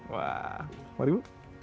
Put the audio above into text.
wah mari bu